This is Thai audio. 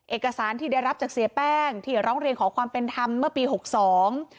เอกสารที่ได้รับจากเสียแป้งที่ร้องเรียนขอความเป็นธรรมเมื่อปีหกสอง